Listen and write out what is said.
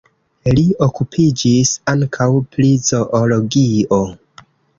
Li okupiĝis ankaŭ pri zoologio.